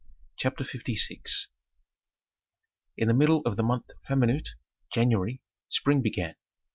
CHAPTER LVI In the middle of the month Famenut (January) spring began.